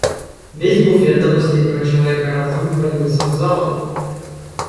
Весь буфет до последнего человека разом ввалился в залу.